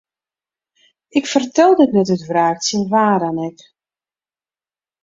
Ik fertel dit net út wraak tsjin wa dan ek.